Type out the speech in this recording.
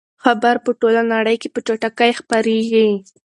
خبر په ټوله نړۍ کې په چټکۍ خپریږي.